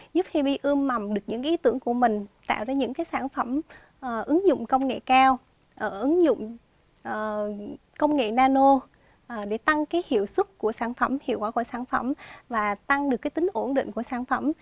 giúp hip ươm mầm được những ý tưởng của mình tạo ra những sản phẩm ứng dụng công nghệ cao ứng dụng công nghệ nano để tăng hiệu sức của sản phẩm hiệu quả của sản phẩm và tăng được tính ổn định của sản phẩm